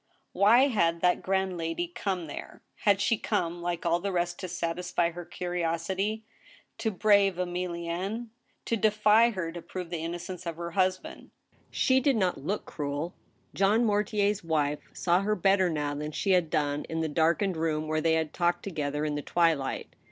Why had that grand lady come there ? Had she come, like all the rest, to satisfy her curiosity ? To brave Emilienne ? To defy her to prove the innocence of her husband ? She did not look cruel. Jean Mortier's wife saw her better now than she had done in the darkened room where they had talked to gether in the twilight.